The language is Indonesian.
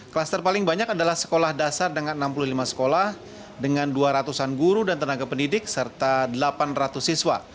kluster paling banyak adalah sekolah dasar dengan enam puluh lima sekolah dengan dua ratus an guru dan tenaga pendidik serta delapan ratus siswa